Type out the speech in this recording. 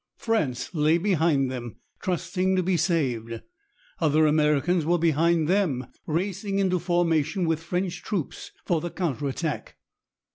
France lay behind them, trusting to be saved. Other Americans were behind them, racing into formation with French troops for the counter attack.